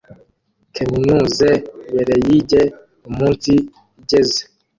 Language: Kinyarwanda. Keminuze bereyige umunsigeze